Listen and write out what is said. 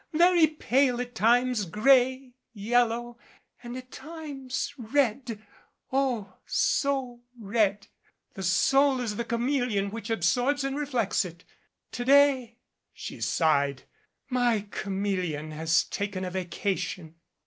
Very pale at times, gray, yellow and at times red oh, so red! The soul is the chameleon which absorbs and reflects it. To day," she sighed, "my chameleon has taken a vacation."